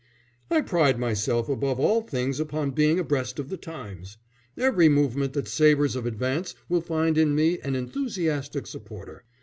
"I pride myself above all things upon being abreast of the times. Every movement that savours of advance will find in me an enthusiastic supporter.